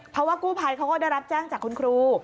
เพราะว่ากู้ภัยเขาก็ได้รับแจ้งจากคุณครู